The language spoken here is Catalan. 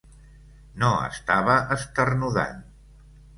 No estava esternudant.